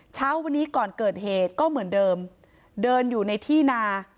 เช้าวันนี้ก่อนเกิดเหตุก็เหมือนเดิมเดินอยู่ในที่นา